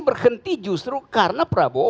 berhenti justru karena prabowo